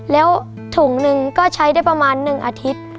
แล้วถุงหนึ่งก็ใช้ได้ประมาณ๑อาทิตย์